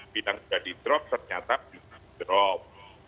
bilang sudah di drop ternyata bisa di drop